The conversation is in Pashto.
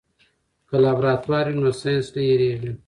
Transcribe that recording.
که لابراتوار وي نو ساینس نه هېریږي.